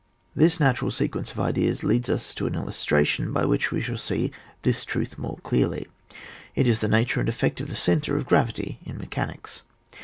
This natural sequence of 180 ON WAR. [book ▼!. ideas leads us to an illustration by which we shall see this truth more clearly ; it is the nature and effect of the centre of gravity in mechanics.